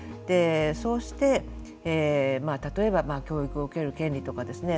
そうして、例えば教育を受ける権利とかですね